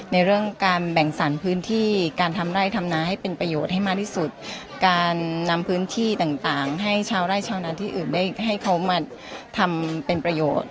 ในเรื่องการแบ่งสรรพื้นที่การทำไร่ทำนาให้เป็นประโยชน์ให้มากที่สุดการนำพื้นที่ต่างต่างให้ชาวไร่ชาวนาที่อื่นได้ให้เขามาทำเป็นประโยชน์